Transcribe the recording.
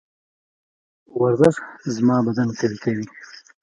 ورزش زما بدن قوي کوي.